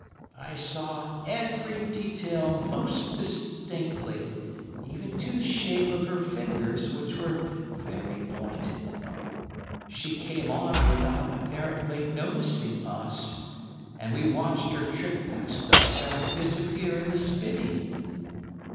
I saw every detail most distinctly, even to the shape of her fingers, which were very pointed. She came on without apparently noticing us, and we watched her trip past us and disappear in the spinney.